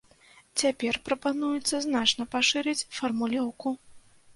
Цяпер прапануецца значна пашырыць фармулёўку.